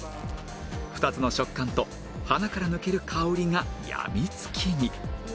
２つの食感と鼻から抜ける香りがやみつきに